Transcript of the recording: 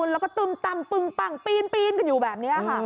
แล้วก็ตุ้มตำปึ้งปังปีนกันอยู่แบบนี้ครับ